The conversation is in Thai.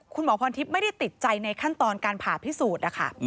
คุณหมอพรทิพย์ไม่ได้ติดใจในขั้นตอนการผ่าพิสูจน์นะคะ